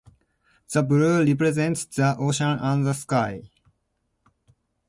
The blue represents the ocean and the sky.